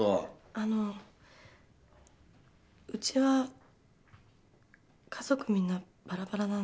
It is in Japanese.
あのウチは家族みんなバラバラなんで。